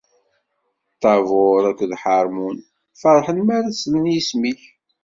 Tabuṛ akked Ḥarmun ferḥen mi ara slen i yisem-ik.